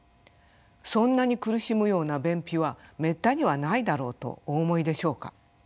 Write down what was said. そんなに苦しむような便秘はめったにはないだろうとお思いでしょうか。